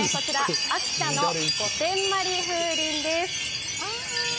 秋田の御殿まり風鈴です。